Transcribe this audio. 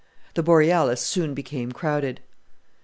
The Borealis soon became crowded.